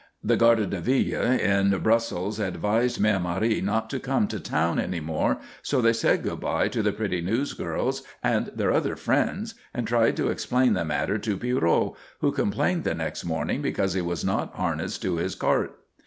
The Gardes de Ville in Brussels advised Mère Marie not to come to town any more, so they said good bye to the pretty newsgirls and their other friends and tried to explain the matter to Pierrot who complained the next morning because he was not harnessed to his cart.